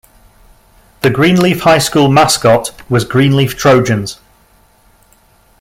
The Greenleaf High School mascot was Greenleaf Trojans.